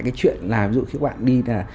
cái chuyện là ví dụ khi các bạn đi là